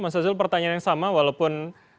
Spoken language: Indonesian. mas azul pertanyaan yang sama walaupun